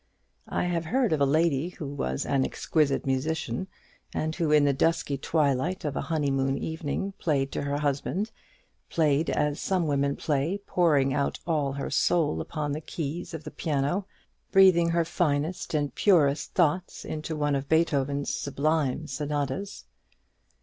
I have heard of a lady who was an exquisite musician, and who, in the dusky twilight of a honeymoon evening, played to her husband, played as some women play, pouring out all her soul upon the keys of the piano, breathing her finest and purest thoughts in one of Beethoven's sublime sonatas.